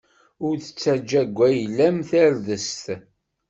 Ur ttaǧǧa deg wayla-m tardest.